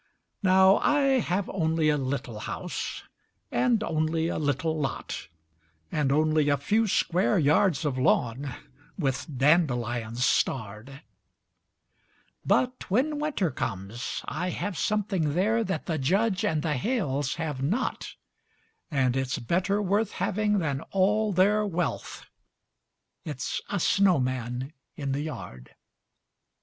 Now I have only a little house, and only a little lot, And only a few square yards of lawn, with dandelions starred; But when Winter comes, I have something there that the Judge and the Hales have not, And it's better worth having than all their wealth it's a snowman in the yard.